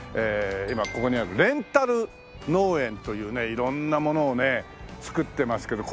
今ここにあるレンタル農園というね色んなものをね作ってますけど。